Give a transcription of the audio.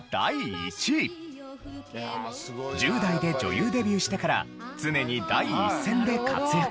１０代で女優デビューしてから常に第一線で活躍。